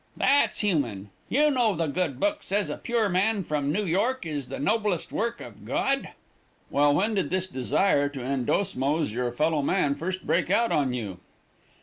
That's human. You know the good book says a pure man from New York is the noblest work of God." "Well, when did this desire to endosmose your fellow man first break out on you?"